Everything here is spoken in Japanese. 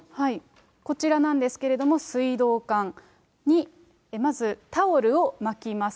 こちらなんですけれども、水道管にまずタオルを巻きます。